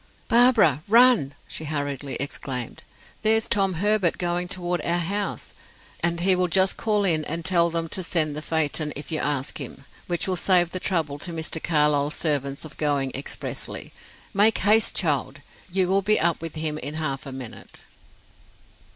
"Barbara, run," she hurriedly exclaimed. "There's Tom Herbert going toward our house, and he will just call in and tell them to send the phaeton, if you ask him, which will save the trouble to Mr. Carlyle's servants of going expressly. Make haste, child! You will be up with him in half a minute."